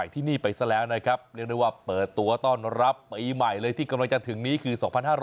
ที่กำลังจะถึงนี้คือ๒๕๖๒